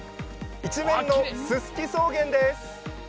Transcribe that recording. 一面のススキ草原です。